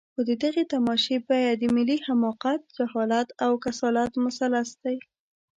خو د دغې تماشې بیه د ملي حماقت، جهالت او کسالت مثلث دی.